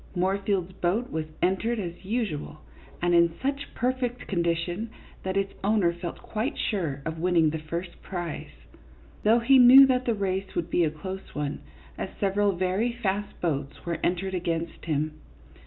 Moorfield's boat was entered, as usual, and in such perfect con dition that its owner felt quite sure of winning the first prize, though he knew that the race would be a close one, as several very fast boats were entered against him.